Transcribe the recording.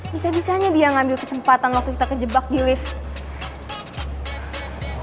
bisa bisanya dia ngambil kesempatan waktu kita kejebak di lift